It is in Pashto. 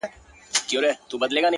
پر كومه تگ پيل كړم ـ